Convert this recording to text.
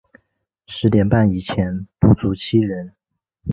十点半以前不足七人